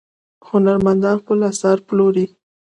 هنرمندان خپل اثار پلوري.